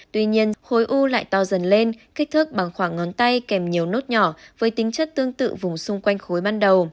tuy nhiên khối u lại to dần lên kích thước bằng khoảng ngón tay kèm nhiều nốt nhỏ với tính chất tương tự vùng xung quanh khối ban đầu